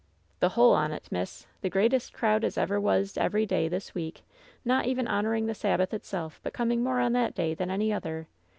"The whole on 't, miss! The greatest crowd as ever was every day this week, not even honoring the Sabbath itself, but coming more on that day than any other!